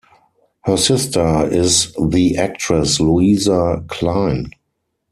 Her sister is the actress Louisa Clein.